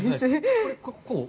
これこう？